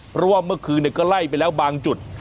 เพราะว่าเมื่อคืนก็ไล่ไปแล้วบางจุด